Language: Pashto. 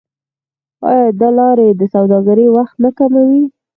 آیا دا لارې د سوداګرۍ وخت نه کموي؟